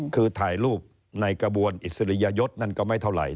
คือถ่ายรูปในกระบวนอิสริยยศนั่นก็ไม่เท่าไหร